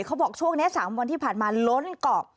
เขาบอกช่วงนี้๓วันที่ผ่านมาล้นเกาะ